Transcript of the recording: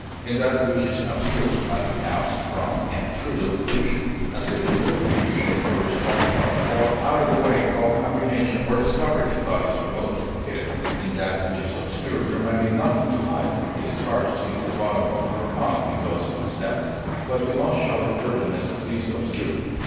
In that which is abstruse (L. abs, from, and trudo, push) as if removed from the usual course of thought or out of the way of apprehension or discovery, the thought is remote, hidden; in that which is obscure there may be nothing to hide; it is hard to see to the bottom of the profound, because of its depth, but the most shallow turbidness is obscure.